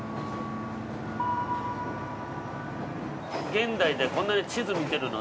現代でこんなに地図見てるの。